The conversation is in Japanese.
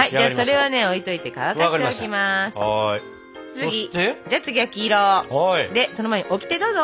そして？じゃあ次は黄色。でその前にオキテどうぞ！